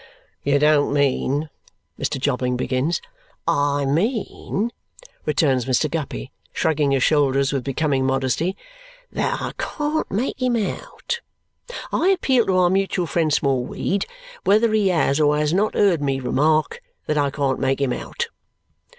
"You don't mean " Mr. Jobling begins. "I mean," returns Mr. Guppy, shrugging his shoulders with becoming modesty, "that I can't make him out. I appeal to our mutual friend Smallweed whether he has or has not heard me remark that I can't make him out."